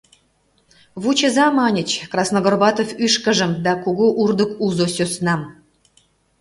Вучыза, маньыч, красногорбатов ӱшкыжым да кугу урдык узо сӧснам.